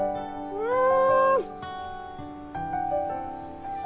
うん！